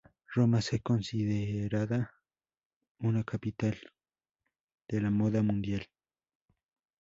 Roma es considerada una "capital de la moda" mundial.